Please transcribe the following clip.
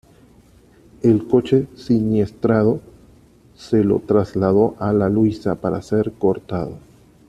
El coche siniestrado se lo trasladó a La Luisa para ser cortado.